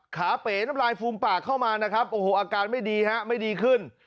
ขาเป๋น้ำลายฟูมปากเข้ามานะครับโอ้โหอาการไม่ดีฮะไม่ดีขึ้น